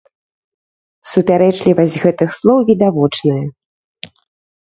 Супярэчлівасць гэтых слоў відавочная.